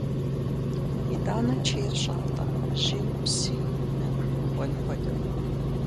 ИтӀанэ чейр щӀатӀэ жьыи, псыи, нэхуи мыкӀуэн хуэдэу.